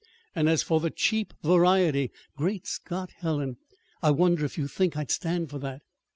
And as for the cheap variety great Scott, Helen! I wonder if you think I'd stand for that!